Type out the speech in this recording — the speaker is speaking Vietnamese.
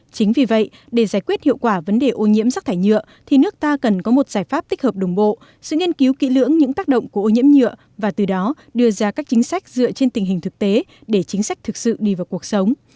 chính vì vậy để giải quyết hiệu quả vấn đề ô nhiễm rác thải nhựa thì nước ta cần có một giải pháp tích hợp đồng bộ sự nghiên cứu kỹ lưỡng những tác động của ô nhiễm nhựa và từ đó đưa ra các chính sách dựa trên tình hình thực tế để chính sách thực sự đi vào cuộc sống